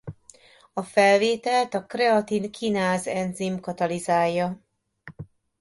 A felvételt a kreatin-kináz enzim katalizálja.